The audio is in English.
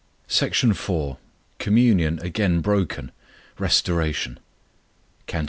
SECTION IV COMMUNION AGAIN BROKEN RESTORATION Cant.